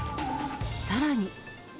さらに。